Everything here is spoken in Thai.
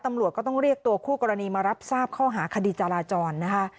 ตำรวจก็ต้องเรียกตัวคู่กรณีมารับทราบข้อหาคดีจราจรนะคะ